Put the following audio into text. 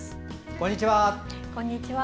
こんにちは。